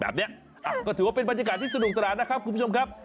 แบบนี้ก็ถือว่าเป็นบรรยากาศที่สนุกสนานนะครับคุณผู้ชมครับ